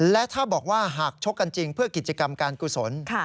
และถ้าบอกว่าหากชกกันจริงเพื่อกิจกรรมการกุศล